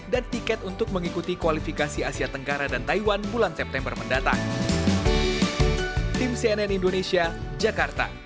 dan tiket untuk mengikuti kualifikasi asia tenggara dan taiwan bulan september mendatang